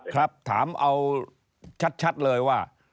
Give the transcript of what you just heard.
ครับถามเอาชัดเลยว่า